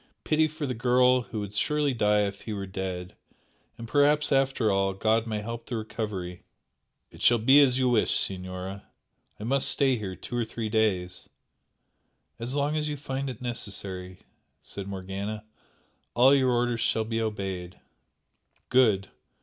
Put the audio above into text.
pity for the girl who would surely die if he were dead! and perhaps after all, God may help the recovery!" "It shall be as you wish, Signora! I must stay here two or three days " "As long as you find it necessary" said Morgana "All your orders shall be obeyed." "Good!